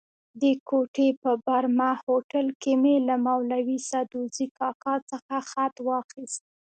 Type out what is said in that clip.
د کوټې په برمه هوټل کې مې له مولوي سدوزي کاکا څخه خط واخیست.